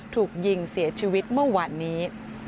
ถูกยิงเสียชีวิตเมื่อวานนี้